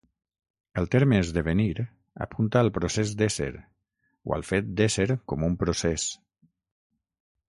El terme esdevenir apunta al procés d'ésser, o al fet d'ésser com un procés.